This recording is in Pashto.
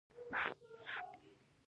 هغه نور هم لاندې راغلل او په خټو کې.